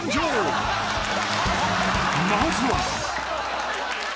［まずは］